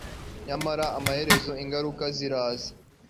nyamara amaherezo ingaruka ziraza